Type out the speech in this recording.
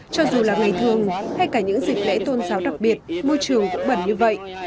cho dù là ngày thường hay cả những dịp lễ tôn giáo đặc biệt môi trường cũng bẩn như vậy